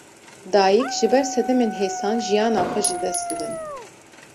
Dayîk, ji ber sedemên hêsan jiyana xwe ji dest didin